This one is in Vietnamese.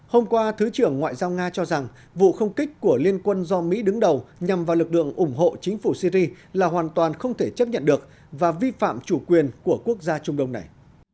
hôm qua thứ trưởng ngoại giao nga cho rằng vụ không kích của liên quân do mỹ đứng đầu nhằm vào lực lượng ủng hộ chính phủ syri là hoàn toàn không thể chấp nhận được và vi phạm chủ quyền của quốc gia trung đông này